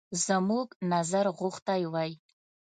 زموږ نظر غوښتی وای.